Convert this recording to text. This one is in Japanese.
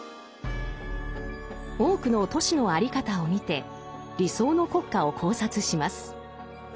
多くの都市の在り方を見て理想の国家を考察します。